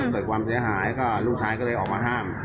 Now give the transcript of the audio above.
เกิดความเสียหายก็ลูกชายก็เลยออกมาห้าม